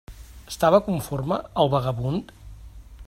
Estava conforme el vagabund?